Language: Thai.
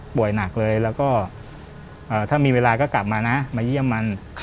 หนักเลยแล้วก็ถ้ามีเวลาก็กลับมานะมาเยี่ยมมัน